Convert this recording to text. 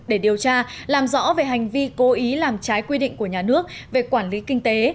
để điều tra làm rõ về hành vi cố ý làm trái quy định của nhà nước về quản lý kinh tế